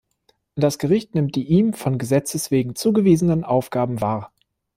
Das Gericht nimmt die ihm von Gesetzes wegen zugewiesenen Aufgaben wahr.